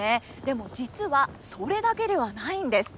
でも実はそれだけではないんです。